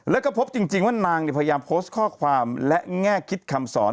แล้วก็พบจริงว่านางพยายามโพสต์ข้อความและแง่คิดคำสอน